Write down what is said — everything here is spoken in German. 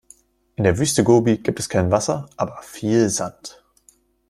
In der Wüste Gobi gibt es kein Wasser, aber viel Sand.